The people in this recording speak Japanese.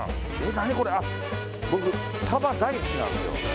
何これ、僕、サバ大好きなんですよ。